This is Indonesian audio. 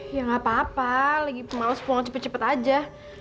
ya gak apa apa lagi pemalas pulang cepet cepet aja